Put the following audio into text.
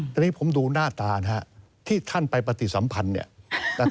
ตอนนี้ผมดูหน้าตาที่ท่านไปปฏิสัมพันธ์